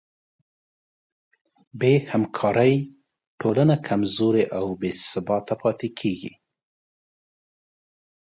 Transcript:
بېهمکارۍ ټولنه کمزورې او بېثباته پاتې کېږي.